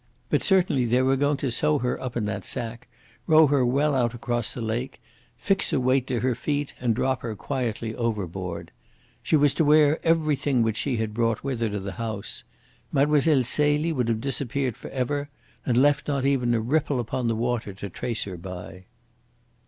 But certainly they were going to sew her up in that sack, row her well out across the lake, fix a weight to her feet, and drop her quietly overboard. She was to wear everything which she had brought with her to the house. Mlle. Celie would have disappeared for ever, and left not even a ripple upon the water to trace her by!"